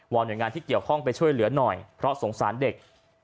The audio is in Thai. หน่วยงานที่เกี่ยวข้องไปช่วยเหลือหน่อยเพราะสงสารเด็ก